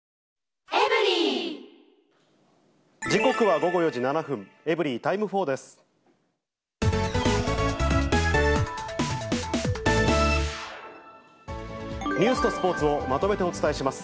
時刻は午後４時７分、エブリィタイム４です。